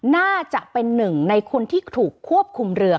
น่าจะเป็นหนึ่งในคนที่ถูกควบคุมเรือ